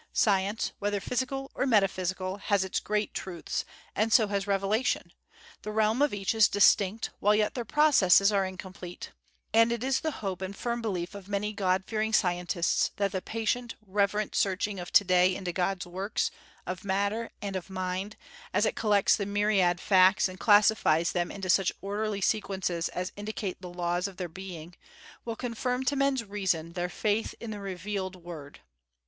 Science whether physical or metaphysical has its great truths, and so has Revelation; the realm of each is distinct while yet their processes are incomplete: and it is the hope and firm belief of many God fearing scientists that the patient, reverent searching of to day into God's works, of matter and of mind, as it collects the myriad facts and classifies them into such orderly sequences as indicate the laws of their being, will confirm to men's reason their faith in the revealed Word.